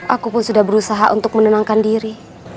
aku pun sudah berusaha untuk menenangkan diri